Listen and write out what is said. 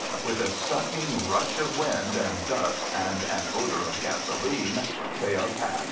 With a sucking rush of wind and dust and an odour of gasoline they are past.